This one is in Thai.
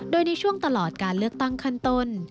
โดยในช่วงตลอดการเลือกตั้งขั้นต้น